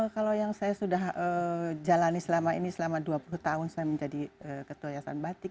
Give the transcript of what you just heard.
kalau yang saya sudah jalani selama ini selama dua puluh tahun saya menjadi ketua yayasan batik